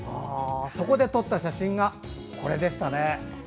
そこで撮った写真がこれでしたね。